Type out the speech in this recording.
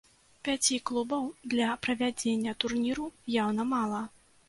Пяці клубаў для правядзення турніру яўна мала.